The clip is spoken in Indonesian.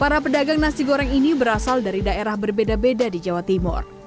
para pedagang nasi goreng ini berasal dari daerah berbeda beda di jawa timur